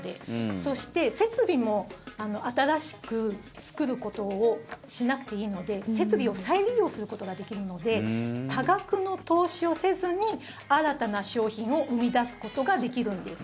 そして、設備も新しく作ることをしなくていいので設備を再利用することができるので多額の投資をせずに新たな商品を生み出すことができるんです。